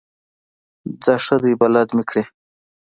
ځه ښه دی بلد مې کړې.